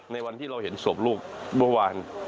ในวันที่เราเห็นศพลูกเมื่อวาน